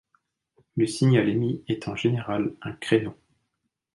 Le signal émis est en général un créneau.